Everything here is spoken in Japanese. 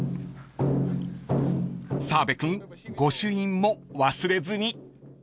［澤部君御朱印も忘れずに］